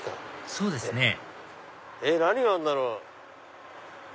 そうですね何があるんだろう？